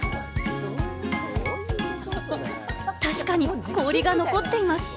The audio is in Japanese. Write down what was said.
確かに氷が残っています。